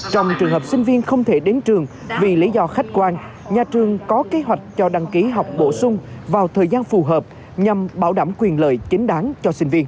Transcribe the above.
trong trường hợp sinh viên không thể đến trường vì lý do khách quan nhà trường có kế hoạch cho đăng ký học bổ sung vào thời gian phù hợp nhằm bảo đảm quyền lợi chính đáng cho sinh viên